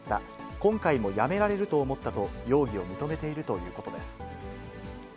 今回もやめられると思ったと容疑を認めているということです。